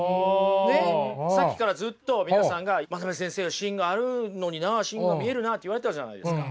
ねっさっきからずっと皆さんが真鍋先生は芯があるのにな芯が見えるなって言われてたじゃないですか。